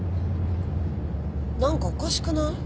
何かおかしくない？